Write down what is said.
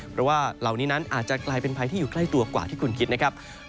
กรสายลมที่จะเกิดขึ้นกับ